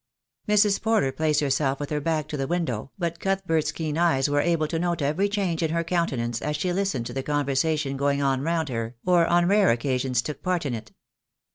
Mrs. Porter placed herself with her back to the window, but Cuthbert's keen eyes were able to note every change in her countenance as she listened to the con versation going on round her, or on rare occasions took part in it.